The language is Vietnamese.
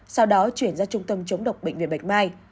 sau đó chuyển ra trung tâm chống độc bệnh viện bạch mai